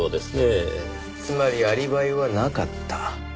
つまりアリバイはなかった。